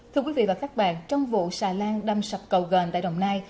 thưa quý vị và các bạn trong vụ xà lan đâm sập cầu gàn tại đồng nai